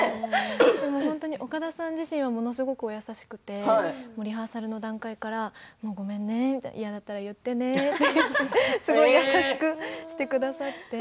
本当に岡田さん自身はものすごく、お優しくってリハーサルの段階からごめんね、嫌だったら言ってねって優しくしてくださって。